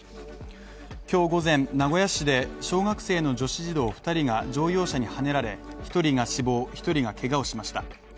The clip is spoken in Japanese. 今日午前、名古屋市で小学生の女子児童２人が乗用車にはねられ、１人が死亡、１人がけがをしました。